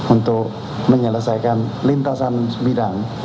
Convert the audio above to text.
untuk menyelesaikan lintasan sebidang